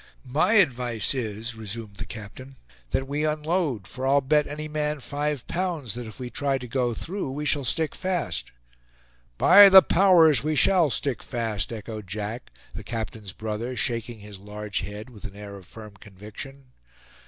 "My advice is," resumed the captain, "that we unload; for I'll bet any man five pounds that if we try to go through, we shall stick fast." "By the powers, we shall stick fast!" echoed Jack, the captain's brother, shaking his large head with an air of firm conviction.